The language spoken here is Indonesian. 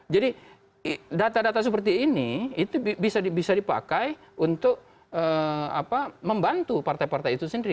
jadi data data seperti ini itu bisa dipakai untuk membantu partai partai itu sendiri